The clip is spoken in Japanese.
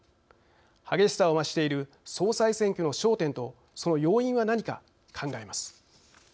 激しさを増している総裁選挙の焦点とその要因は何か、考えます。